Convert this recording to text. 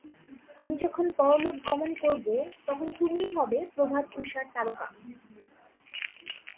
আমি যখন পরলোক গমন করব, তখন তুমিই হবে প্রভাত-ঊষার তারকা।